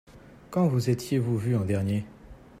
Quand vous étiez-vous vu en dernier ?